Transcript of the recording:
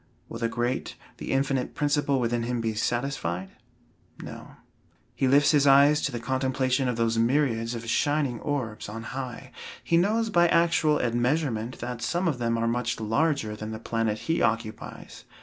Will the great, the infinite principle within him be satisfied? No. He lifts his eyes to the contemplation of those myriads of shining orbs on high. He knows by actual admeasurement that some of them are much larger than the planet he occupies.